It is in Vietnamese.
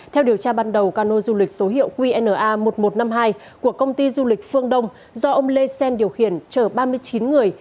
theo điều tra ban đầu cano du lịch số hiệu qna một nghìn một trăm năm mươi hai của công ty du lịch phương đông do ông lê xen điều khiển chở ba mươi chín người